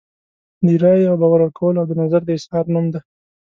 د رایې او باور ورکولو او د نظر د اظهار نوم دی.